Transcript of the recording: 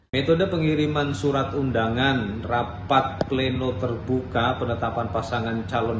metode pengiriman surat undangan rapat pleno terbuka penetapan pasangan calon